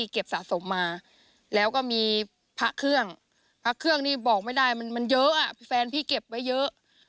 เครื่องนี้บอกไม่ได้มันเยอะแฟนพี่เก็บไว้เยอะ